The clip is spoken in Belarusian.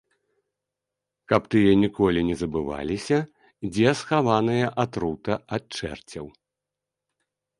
Каб тыя ніколі не забываліся, дзе схаваная атрута ад чэрцяў.